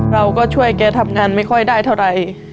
เราก็ช่วยแกทำงานไม่ค่อยได้เท่าไหร่